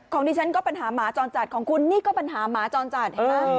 ดิฉันก็ปัญหาหมาจรจัดของคุณนี่ก็ปัญหาหมาจรจัดเห็นไหม